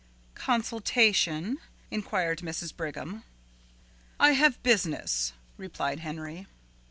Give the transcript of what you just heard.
"Consultation?" inquired Mrs. Brigham. "I have business," replied Henry.